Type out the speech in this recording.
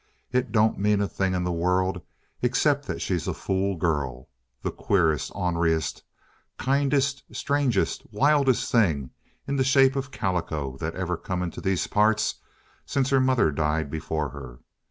"It don't mean a thing in the world except that she's a fool girl. The queerest, orneriest, kindest, strangest, wildest thing in the shape of calico that ever come into these parts since her mother died before her.